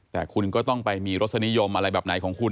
แต่คุณก็ต้องไปมีรสนิยมอะไรแบบไหนของคุณ